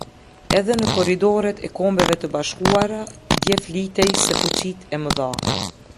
Edhe në korridoret e Kombeve të Bashkuara dje flitej se fuqitë e mëdha.